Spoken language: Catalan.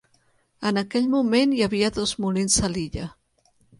En aquell moment hi havia dos molins a l'illa.